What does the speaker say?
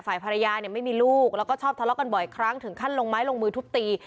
ฝ่ายภรรยาเนี่ยไม่มีลูกแล้วก็ชอบทะเลาะกันบ่อยครั้งถึงขั้นลงไม้ลงมือทุบตี